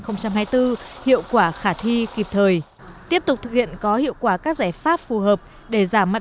năm hai nghìn hai mươi bốn hiệu quả khả thi kịp thời tiếp tục thực hiện có hiệu quả các giải pháp phù hợp để giảm mặt